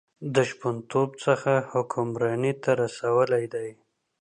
له شپونتوب څخه حکمرانۍ ته رسولی دی.